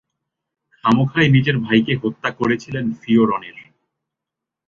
খামোখাই নিজের ভাইকে হত্যা করেছিলেন ফিওরনের।